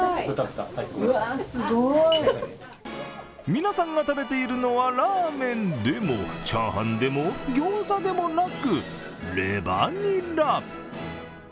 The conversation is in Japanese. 皆さんが食べているのはラーメンでもチャーハンでもギョーザでもなく、レバニラ。